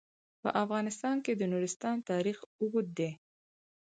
په افغانستان کې د نورستان تاریخ اوږد دی.